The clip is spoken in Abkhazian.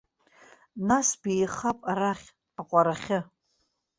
Нас беихап арахь, аҟәарахьы.